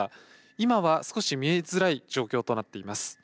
今は少し見えづらい状況となっています。